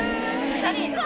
ジャニーズって。